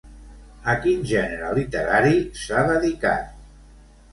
A quin gènere literari s'ha dedicat?